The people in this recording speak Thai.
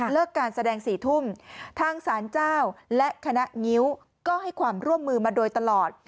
การแสดง๔ทุ่มทางศาลเจ้าและคณะงิ้วก็ให้ความร่วมมือมาโดยตลอด